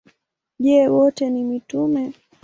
Je, wote ni mitume?